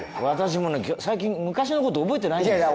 私も最近昔のこと覚えてないんです。